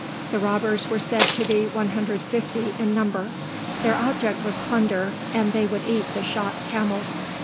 The robbers were said to be 150 in number; their object was plunder, and they would eat the shot camels.